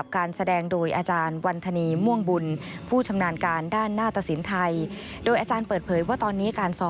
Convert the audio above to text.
บทพระมหาชนกษ์บทพระมหาชนกษ์บทพระมหาชนกษ์